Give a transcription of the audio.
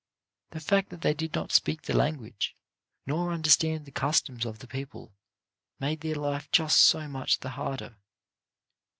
The fact that they did not speak the language, nor understand the customs of the people, made their life just so much the harder.